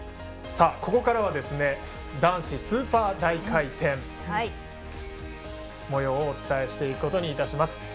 ここからは男子スーパー大回転のもようをお伝えしていくことにいたします。